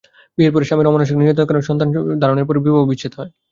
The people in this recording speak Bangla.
বিয়ের পরে স্বামীর অমানসিক নির্যাতনের কারণে সন্তান ধারণের পরেও বিবাহ বিচ্ছেদ হয়।